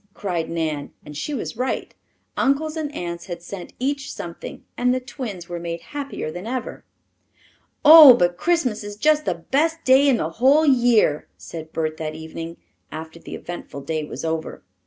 cried Nan, and she was right. Uncles and aunts had sent each something; and the twins were made happier than ever. "Oh, but Christmas is just the best day in the whole year," said Bert that evening, after the eventful day was over.